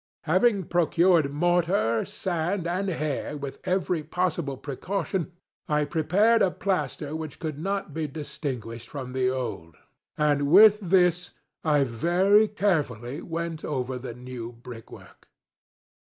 Having procured mortar, sand, and hair, with every possible precaution, I prepared a plaster which could not be distinguished from the old, and with this I very carefully went over the new brickwork.